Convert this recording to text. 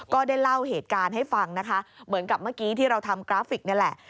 ก็ได้เล่าเหตุการณ์ให้ฟังนะคะเหมือนกับเมื่อกี้ที่เราทำกราฟิกนี่แหละ